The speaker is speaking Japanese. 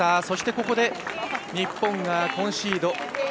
そしてここで日本がコンシード。